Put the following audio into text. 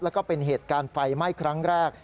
แล้วก็เป็นเหตุการณ์ไฟไหม้ครั้งแรก